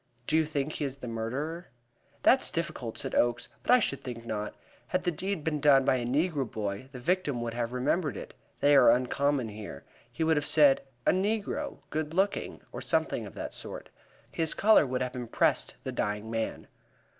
"Do you think he is the murderer?" "That's difficult," said Oakes; "but I should think not. Had the deed been done by a negro boy, the victim would have remembered it; they are uncommon here. He would have said, 'A negro, good looking,' or something of that sort. His color would have impressed the dying man."